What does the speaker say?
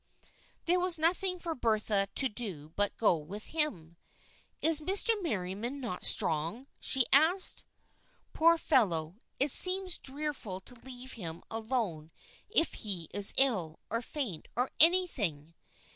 There was nothing for Bertha to do but go with him. " Is Mr. Merriam not strong ?" she asked. " Poor fellow, it seems dreadful to leave him alone if he is ill, or faint, or anything."